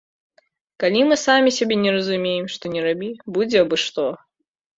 Калі мы самі сябе не разумеем, што ні рабі, будзе абы што.